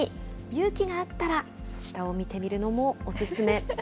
勇気があったら、下を見てみるのもお勧め。